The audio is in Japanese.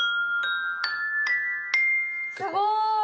すごい！